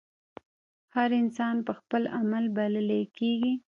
هر انسان پۀ خپل عمل بللے کيږي